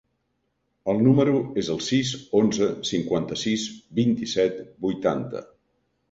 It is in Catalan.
El meu número es el sis, onze, cinquanta-sis, vint-i-set, vuitanta.